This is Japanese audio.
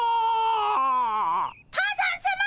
多山さま